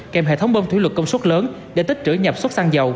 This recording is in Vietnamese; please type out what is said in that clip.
kèm hệ thống bông thủy luật công suất lớn để tích trữ nhập xuất xăng dầu